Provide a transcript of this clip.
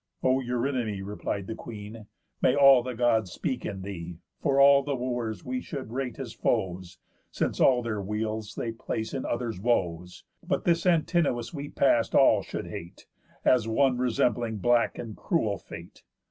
"O Eurynomé," Replied the Queen, "may all Gods speak in thee, For all the Wooers we should rate as foes, Since all their weals they place in others' woes! But this Antinous we past all should hate, As one resembling black and cruel Fate.